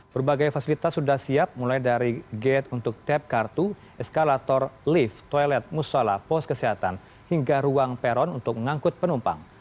berbagai fasilitas sudah siap mulai dari gate untuk tap kartu eskalator lift toilet musola pos kesehatan hingga ruang peron untuk mengangkut penumpang